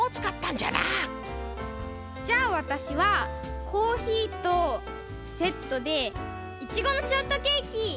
じゃあわたしはコーヒーとセットでイチゴのショートケーキ！